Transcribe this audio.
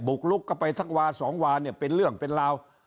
ลุกเข้าไปสักวาสองวาเนี่ยเป็นเรื่องเป็นราว